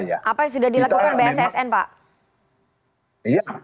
apa yang sudah dilakukan bssn pak